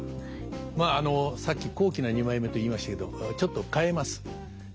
まあさっき「高貴な二枚目」と言いましたけどちょっと変えます。